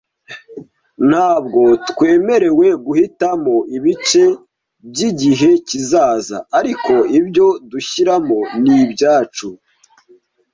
Ntabwo twemerewe guhitamo ibice byigihe kizaza, ariko ibyo dushyiramo ni ibyacu.